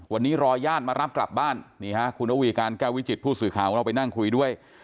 วันนี้รอญาติมารับกลับบ้านนี่ฮะคุณระวีการแก้ววิจิตผู้สื่อข่าวของเราไปนั่งคุยด้วย